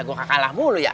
gue kaget mulu ya